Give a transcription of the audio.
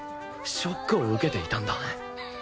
ショックを受けていたんだ